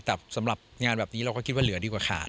แต่สำหรับงานแบบนี้เราก็คิดว่าเหลือดีกว่าขาด